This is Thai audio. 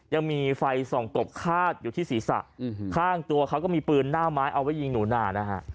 ยังมีไฟส่องกบคาดอยู่ที่ศีรษะข้างตัวเขาก็มีปืนหน้าไม้เอาไว้ยิงหนูนานะฮะ